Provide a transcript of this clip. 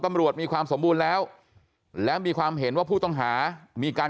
มีความสมบูรณ์แล้วแล้วมีความเห็นว่าผู้ต้องหามีการ